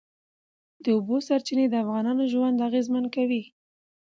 د اوبو سرچینې د افغانانو ژوند اغېزمن کوي.